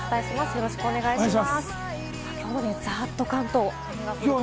よろしくお願いします。